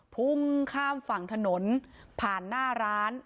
พุ่งข้ามฝั่งถนนผ่านหน้าร้าน